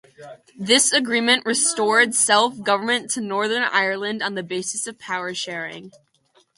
This Agreement restored self-government to Northern Ireland on the basis of "power-sharing".